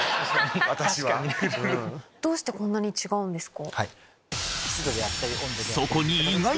どうしてこんなに違うんですか？